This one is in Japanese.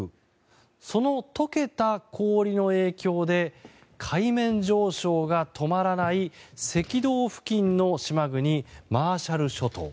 その解けた氷の影響で海面上昇が止まらない赤道付近の島国マーシャル諸島。